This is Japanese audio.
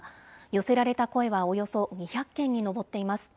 寄せられた声はおよそ２００件に上っています。